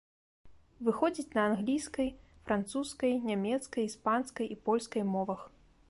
Выходзіць на англійскай, французскай, нямецкай, іспанскай і польскай мовах.